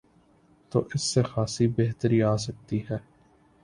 تو اس سے خاصی بہتری آ سکتی ہے۔